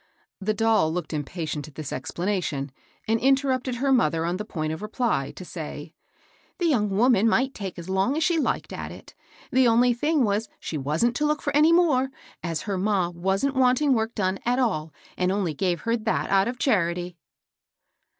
The doll looked impatient at this explanation, THE LADY PRESIDLNT. 861 and interrupted her mother on the point of reply, to say, " the young woman might take long as she liked at it ; the only thing was she wasn't to look for any more, as her ma wasn't wanting work done at all, and only gave her that out of char ity."